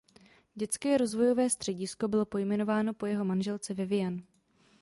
Dětské rozvojové středisko bylo pojmenováno po jeho manželce Vivian.